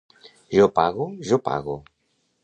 Jo pago, jo pago.